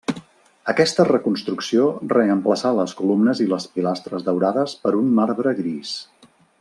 Aquesta reconstrucció reemplaçà les columnes i les pilastres daurades per un marbre gris.